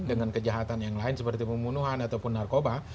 dengan kejahatan yang lain seperti pembunuhan ataupun narkoba